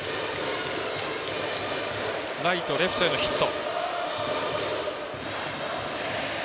ライト、レフトへのヒット。